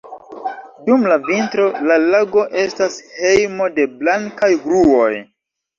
Dum la vintro, la lago estas hejmo de blankaj gruoj.